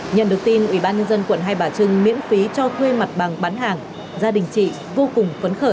nhận được tin ủy ban nhân dân quận hai bà trưng miễn phí cho thuê mặt bằng bán hàng gia đình chị vô cùng phấn khởi